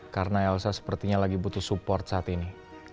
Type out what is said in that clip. karena elsa sepertinya lagi butuh support saat ini